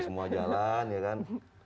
semua jalan ya kan